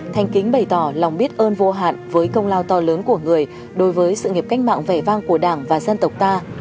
thanh kính bày tỏ lòng biết ơn vô hạn với công lao to lớn của người đối với sự nghiệp cách mạng vẻ vang của đảng và dân tộc ta